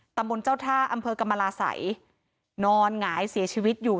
ตำบลเจ้าท่าอำเภอกรรมราศัยนอนหงายเสียชีวิตอยู่